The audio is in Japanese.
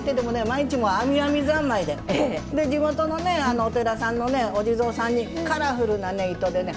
毎日編み編み三昧でで地元のねお寺さんのねお地蔵さんにカラフルなね糸でね